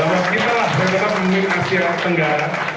bahwa kita adalah pemimpin asia tenggara